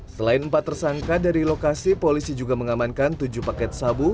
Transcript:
selain empat tersangka dari lokasi polisi juga mengamankan tujuh paket sabu